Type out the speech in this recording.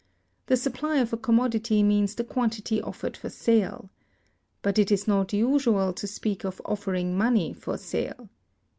The supply of a commodity means the quantity offered for sale. But it is not usual to speak of offering money for sale.